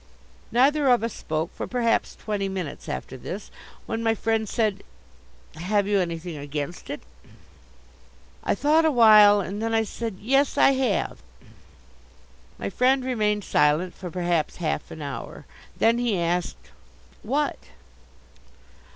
Neither of us spoke for perhaps twenty minutes after this, when my Friend said: "Have you anything against it?" I thought awhile and then I said: "Yes, I have." My Friend remained silent for perhaps half an hour. Then he asked: "What?"